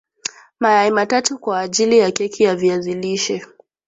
Mayai matatu kwaajili ya keki ya viazi lishe